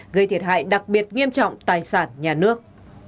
gây thiệt hại đặc biệt nghiêm trọng tài sản nhà nước